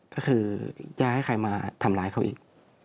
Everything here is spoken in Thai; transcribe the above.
ก็คือจะให้ใครมาทำร้ายเขาอีก